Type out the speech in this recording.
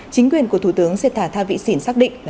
chính quyền của thủ tướng sê tha tha vị xỉn xác định